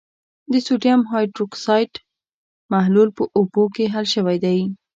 د سوډیم هایدروکسایډ محلول په اوبو کې حل شوی دی.